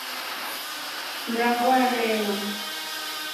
Mrango arewa.